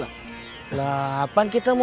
mau kemana antum berdua